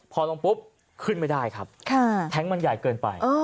พอลงปุ๊บขึ้นไม่ได้ครับแท้งมันใหญ่เกินไป